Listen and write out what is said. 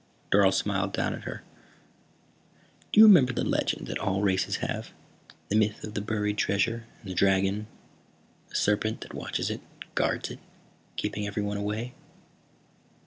Dorle smiled down at her. "Do you remember the legend that all races have, the myth of the buried treasure, and the dragon, the serpent that watches it, guards it, keeping everyone away?"